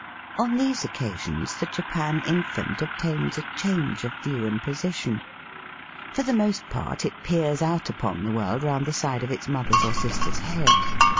On these occasions the Japan infant obtains a change of view and position. For the most part it peers out upon the world round the side of its mother's or sister's head.